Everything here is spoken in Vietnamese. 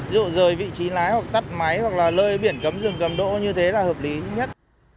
ví dụ rời vị trí lái hoặc tắt máy hoặc là lơi biển cấm rừng cầm đỗ như thế là hợp lý nhất